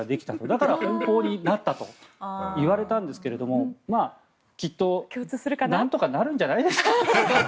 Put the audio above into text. だからお利口になったと言われたんですけどもきっと何とかなるんじゃないですか。